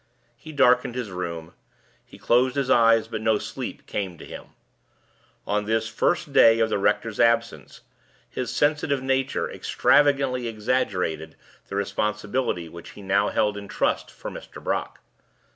He darkened his room; he closed his eyes, but no sleep came to him. On this first day of the rector's absence, his sensitive nature extravagantly exaggerated the responsibility which he now held in trust for Mr. Brock.